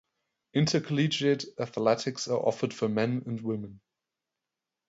Intercollegiate athletics are offered for men and women.